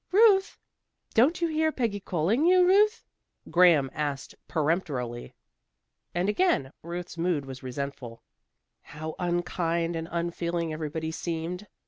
"Ruth!" "Don't you hear Peggy calling you, Ruth?" Graham asked peremptorily. And again Ruth's mood was resentful. How unkind and unfeeling everybody seemed.